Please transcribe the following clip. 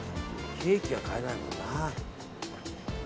ケーキは買えないもんな。